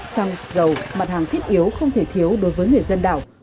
xăng dầu mặt hàng thiết yếu không thể thiếu đối với người dân đảo